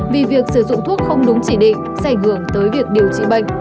vì việc sử dụng thuốc không đúng chỉ định sẽ ảnh hưởng tới việc điều trị bệnh